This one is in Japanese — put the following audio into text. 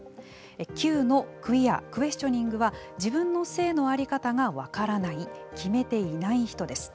「Ｑ」のクィア、クエスチョニングは自分の性のありかたが分からない決めていない人です。